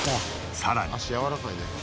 さらに。